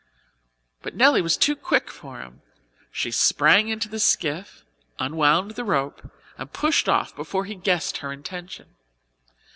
But Nelly was too quick for him; she sprang into the skiff, unwound the rope, and pushed off before he guessed her intention.